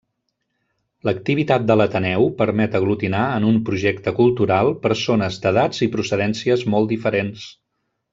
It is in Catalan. L'activitat de l'Ateneu permet aglutinar en un projecte cultural persones d'edats i procedències molt diferents.